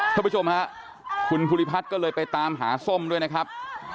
ท่านผู้ชมฮะคุณภูริพัฒน์ก็เลยไปตามหาส้มด้วยนะครับ